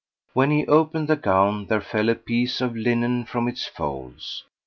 When he opened the gown there fell a piece of linen from its folds.